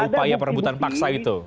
upaya perebutan paksa itu